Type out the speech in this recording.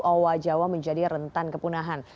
owa jawa menjadi rentan kepunahan